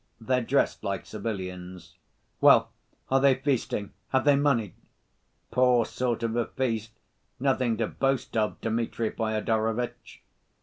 They're dressed like civilians." "Well, are they feasting? Have they money?" "Poor sort of a feast! Nothing to boast of, Dmitri Fyodorovitch."